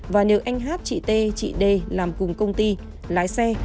và nếu anh hát chị t chị d làm cùng công ty lái xe